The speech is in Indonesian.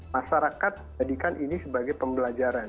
masyarakat jadikan ini sebagai pembelajaran